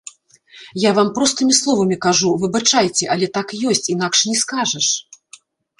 Я вам простымі словамі кажу, выбачайце, але так ёсць, інакш не скажаш.